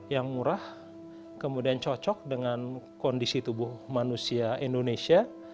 yang murah kemudian cocok dengan kondisi tubuh manusia indonesia